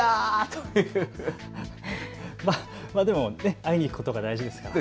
会いに行くことが大事ですから。